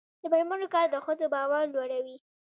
د میرمنو کار د ښځو باور لوړوي.